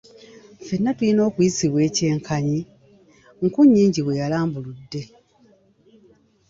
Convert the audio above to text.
"Ffenna tulina okuyisibwa ekyenkanyi,” Nkunyingi bwe yalambuludde.